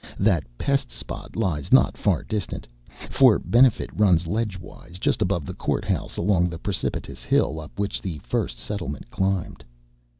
That pest spot lies not far distant for Benefit runs ledgewise just above the court house along the precipitous hill up which the first settlement climbed.